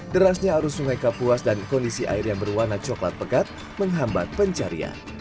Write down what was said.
derasnya arus sungai kapuas dan kondisi air yang berwarna coklat pekat menghambat pencarian